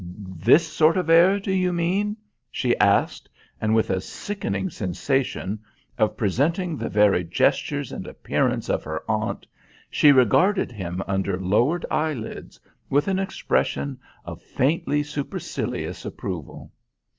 "This sort of air, do you mean?" she asked, and with a sickening sensation of presenting the very gestures and appearance of her aunt, she regarded him under lowered eyelids with an expression of faintly supercilious approval.